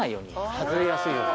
外れやすいように。